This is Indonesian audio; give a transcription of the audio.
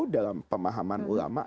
dalam pemahaman ulama